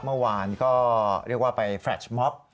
เมื่อวานก็เรียกว่าไปแฟลชมอบ